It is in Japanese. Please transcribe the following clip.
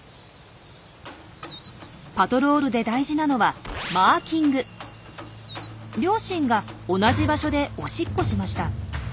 パトロールで大事なのは両親が同じ場所でおしっこしました。